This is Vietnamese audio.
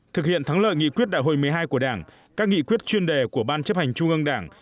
thực hiện thắng lợi nghị quyết đại hội một mươi hai của đảng các nghị quyết chuyên đề của ban chấp hành trung ương đảng